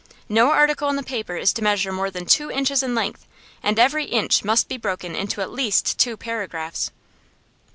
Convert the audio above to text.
No article in the paper is to measure more than two inches in length, and every inch must be broken into at least two paragraphs.